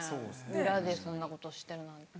裏でそんなことしてるなんて。